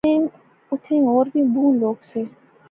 ایتھیں ہور وی بہوں لوک سے